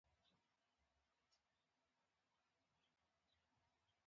پسرلی راغلی